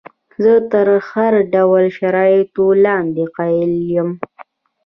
زه تر هر ډول شرایطو لاندې قایل یم.